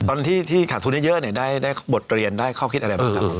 ตอนที่ขาดทุนเยอะได้บทเรียนได้ข้อคิดอะไรบ้างครับ